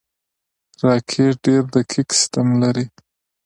راکټ ډېر دقیق سیستم لري